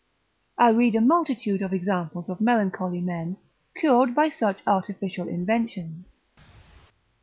I read a multitude of examples of melancholy men cured by such artificial inventions.